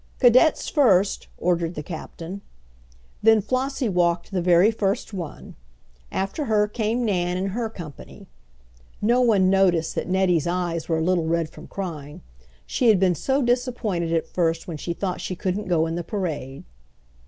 "Cadets first," ordered the captain. Then Flossie walked the very first one. After her came Nan and her company. (No one noticed that Nettie's eyes were a little red from crying. She had been so disappointed at first when she thought she couldn't go in the parade.)